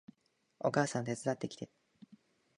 お母さん手伝ってきて